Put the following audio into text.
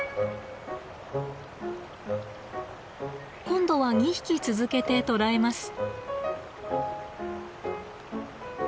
今度は２匹続けて捕らえます。